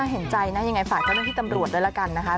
น่าเห็นใจนะยังไงฝากกับพี่ตำรวจด้วยละกันนะคะ